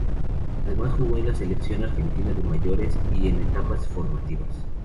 Además jugó en la selección argentina de mayores y en etapas formativas.